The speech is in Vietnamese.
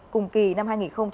cùng kỳ năm hai nghìn một mươi tám